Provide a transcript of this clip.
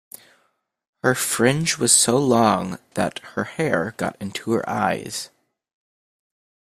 Her fringe was so long that her hair got into her eyes